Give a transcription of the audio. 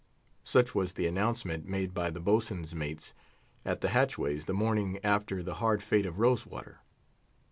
such was the announcement made by the boatswain's mates at the hatchways the morning after the hard fate of Rose water.